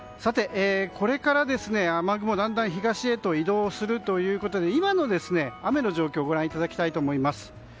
これから、雨雲はだんだん東へと移動するということで今の雨の状況をご覧いただきたいと思います。